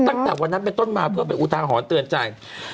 ตั้งแต่วันนั้นเป็นต้นมาเพื่อเป็นอุทาหรณ์เตือนใจ